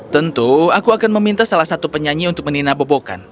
tentu aku akan meminta salah satu penyanyi untuk menina bobokan